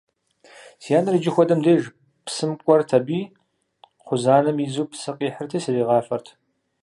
Си анэр иджы хуэдэм деж псым кӀуэрт аби, кхъузанэм изу псы къихьрти сригъафэрт.